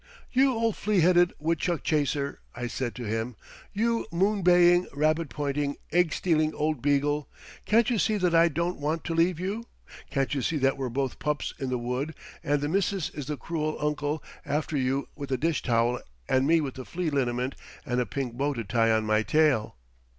"You old flea headed woodchuck chaser," I said to him—"you moon baying, rabbit pointing, egg stealing old beagle, can't you see that I don't want to leave you? Can't you see that we're both Pups in the Wood and the missis is the cruel uncle after you with the dish towel and me with the flea liniment and a pink bow to tie on my tail.